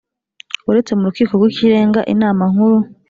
Uretse mu rukiko rw ikirenga inama nkuru